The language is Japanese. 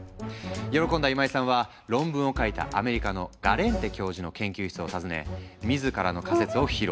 喜んだ今井さんは論文を書いたアメリカのガレンテ教授の研究室を訪ね自らの仮説を披露。